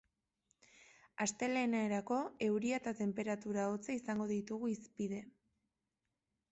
Astelehenerako euria eta tenperatura hotza izango ditugu hizpide.